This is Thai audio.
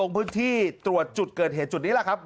พื้นที่ตรวจจุดเกิดเหตุจุดนี้แหละครับ